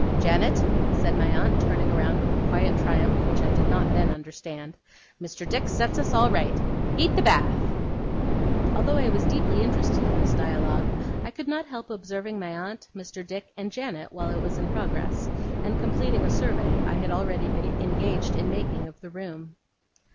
'Janet,' said my aunt, turning round with a quiet triumph, which I did not then understand, 'Mr. Dick sets us all right. Heat the bath!' Although I was deeply interested in this dialogue, I could not help observing my aunt, Mr. Dick, and Janet, while it was in progress, and completing a survey I had already been engaged in making of the room.